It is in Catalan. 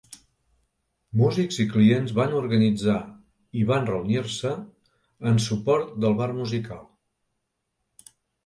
Músics i clients van organitzar i van reunir-se en suport del bar musical.